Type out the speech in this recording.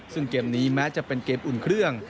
ซึ่งเกมนี้แม้จะเป็นเกมอุ่นเครื่อง